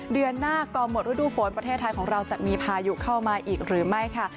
เดือนหน้าก็หมดฤดูฝนประเทศไทยของเราจะมีพายุเข้ามาอีกหรือไม่ค่ะ